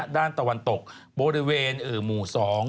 ด้านตะวันตกบริเวณอื่อหมู่๒